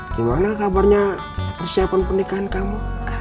gimana kabarnya persiapan pernikahan kamu